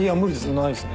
ないですね。